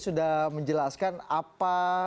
sudah menjelaskan apa